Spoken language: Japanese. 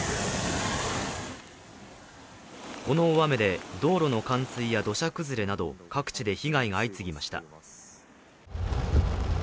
この大雨で道路の冠水や土砂崩れなど、各地で被害が相次ぎました。